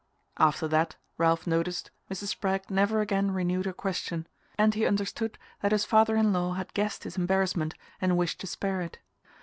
After that, Ralph noticed, Mrs. Spragg never again renewed her question; and he understood that his father in law had guessed his embarrassment and wished to spare it.